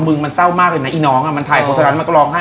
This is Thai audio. มึงมันเศร้ามากเลยนะอีน้องอ่ะมันถ่ายโฆษณ์มันก็ร้องไห้